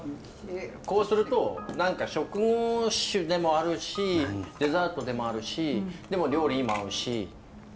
こうすると食後酒でもあるしデザートでもあるしでも料理にも合うし。